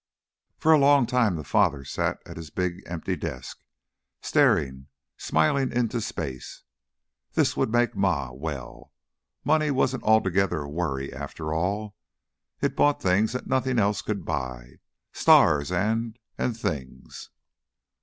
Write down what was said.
For a long time the father sat at his big, empty desk, staring, smiling into space. This would make Ma well. Money wasn't altogether a worry, after all; it bought things that nothing else could buy stars and and things.